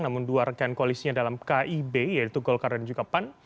namun dua rekan koalisinya dalam kib yaitu golkar dan juga pan